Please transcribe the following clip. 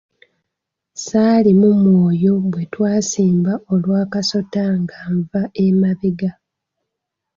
Ssaalimu mwoyo bwe twasimba olwa kasota nga nva emabega.